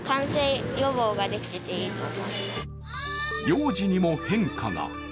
幼児にも変化が。